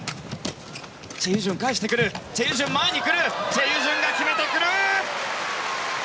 チェ・ユジュンが決めてくる！